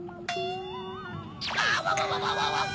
あわわわわ！